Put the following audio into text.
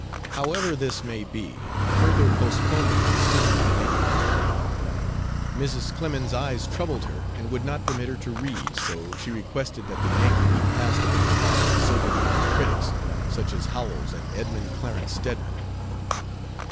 However this may be, further postponement was soon at an end. Mrs. Clemens's eyes troubled her and would not permit her to read, so she requested that the Yankee be passed upon by soberminded critics, such as Howells and Edmund Clarence Stedman.